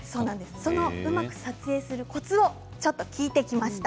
うまく撮影するコツを聞きました。